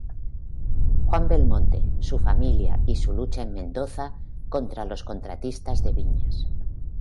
Juan Belmonte, su familia y su lucha en Mendoza contra los contratistas de viñas.